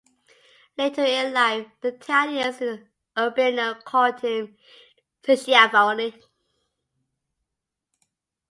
Later in life, the Italians in Urbino called him "Schiavone".